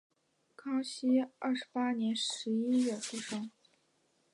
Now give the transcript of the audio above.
康熙二十八年十一月出生。